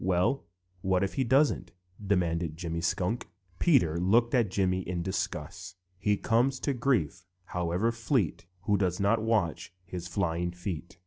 "Well, what if he doesn't?" demanded Jimmy Skunk. Peter looked at Jimmy in disgust: "He comes to grief, however fleet, Who doesn't watch his flying feet.